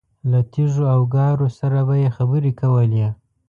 له تیږو او ګارو سره به یې خبرې کولې.